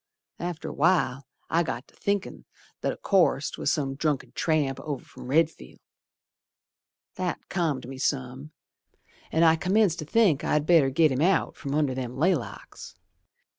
After a while I got to thinkin' that o' course 'Twas some drunken tramp over from Redfield. That calmed me some, An' I commenced to think I'd better git him out From under them laylocks.